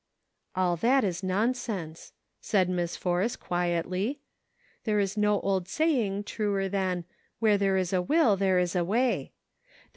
"All that is nonsense," said Miss Force, quietly; " there is no old saying truer than * Where there is a will, there is a way.'